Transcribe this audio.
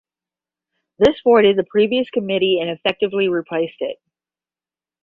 This voided the previous committee and effectively replaced it.